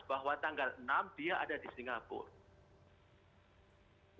bahwa tanggal enam dia ada di singapura